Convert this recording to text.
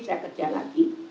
saya kerja lagi